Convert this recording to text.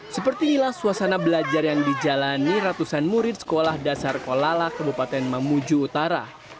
seperti inilah suasana belajar yang dijalani ratusan murid sekolah dasar kolala kebupaten mamuju utara